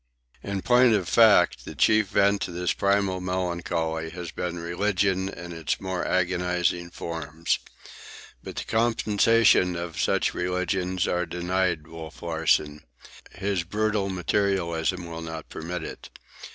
In point of fact, the chief vent to this primal melancholy has been religion in its more agonizing forms. But the compensations of such religion are denied Wolf Larsen. His brutal materialism will not permit it.